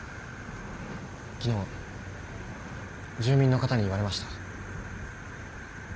昨日住民の方に言われました。